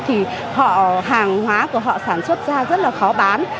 thì họ hàng hóa của họ sản xuất ra rất là khó bán